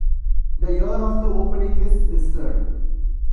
The year of the opening is listed.